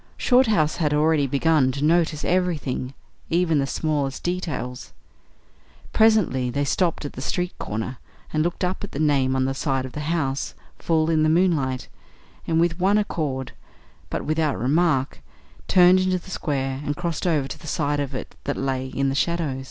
Shorthouse had already begun to notice everything, even the smallest details. Presently they stopped at the street corner and looked up at the name on the side of the house full in the moonlight, and with one accord, but without remark, turned into the square and crossed over to the side of it that lay in shadow.